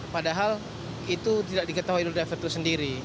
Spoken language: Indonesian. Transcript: padahal itu tidak diketahui oleh driver itu sendiri